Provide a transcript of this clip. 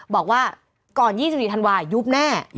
บอกว่าก่อน๒๔ธันวายุบแน่